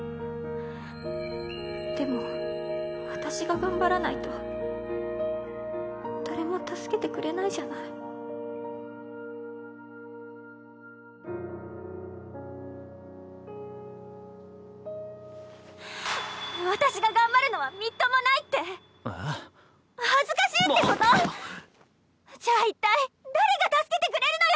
でも私が頑張らないと私が頑張るのはみっともないって⁉えっ？恥ずかしいってこと⁉じゃあ一体誰が助けてくれるのよ！